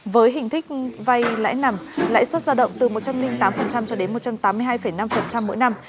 với hình thức vay lãi nặng lãi suất ra động từ một trăm linh tám cho đến một trăm tám mươi hai năm mỗi năm